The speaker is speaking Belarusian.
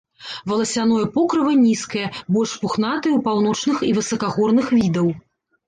Валасяное покрыва нізкае, больш пухнатае ў паўночных і высакагорных відаў.